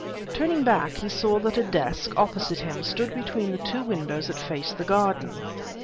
Turning back, he saw that a desk, opposite him, stood between the two windows that faced the garden.